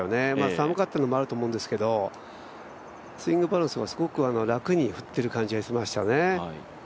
寒かったのもあると思うんですけど、スイングバランスはすごく楽に振ってる感じがしましたね。